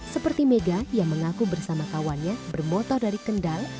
seperti mega yang mengaku bersama kawannya bermotor dari kendal